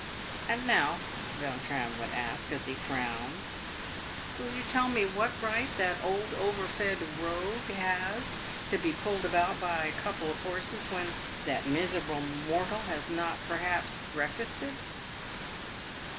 " And now," Vautrin would ask, as he frowned, " will you tell me what right that old overfed rogue has to be pulled about by a couple of horses, when that miserable mortal has not per haps breakfasted